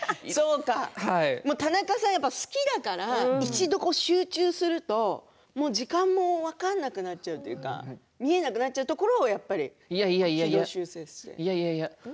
田中さんは好きだから一度集中すると時間も分からなくなっちゃうというか見えなくなっちゃうところもやっぱり軌道修正するんですね。